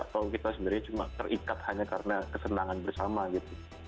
atau kita sebenarnya cuma terikat hanya karena kesenangan bersama gitu